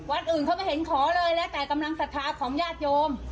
อื่นเขาไม่เห็นขอเลยแล้วแต่กำลังศรัทธาของญาติโยม